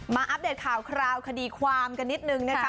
อัปเดตข่าวคราวคดีความกันนิดนึงนะคะ